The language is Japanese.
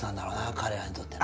彼らにとってね。